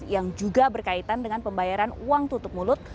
yang juga berkaitan dengan pembayaran uang tutup mulut